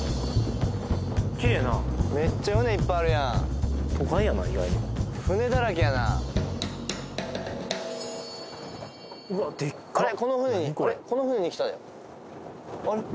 きれいなめっちゃ船いっぱいあるやん都会やな意外に船だらけやなうわでっかあれ？